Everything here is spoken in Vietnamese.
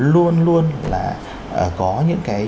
luôn luôn là có những cái